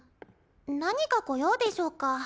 何かご用でしょうか？